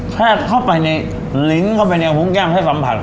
แชกข้อไปในลิ้นเข้าในอีกพรุ่งแก้มที่สะสัมผัส